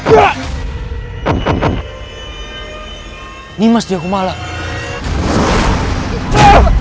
ini masih malam